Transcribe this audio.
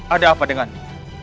ada apa denganmu